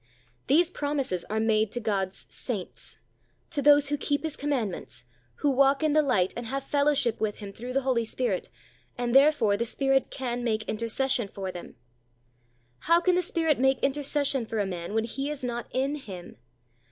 These promises are made to God's saints to those who keep His commandments, who walk in the light and have fellowship with Him through the Holy Spirit, and, therefore, the Spirit can make intercession for them. How can the Spirit make intercession for a man when He is not in him?